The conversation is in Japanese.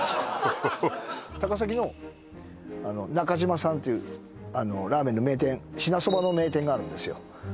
高崎のなかじまさんっていうラーメンの名店支那そばの名店があるんですよ